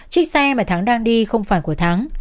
chiếc xe mà thắng đang đi không phải của tháng